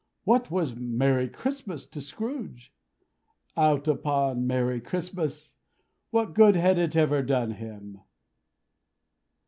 What was Merry Christmas to Scrooge? Out upon Merry Christmas! What good had it ever done to him?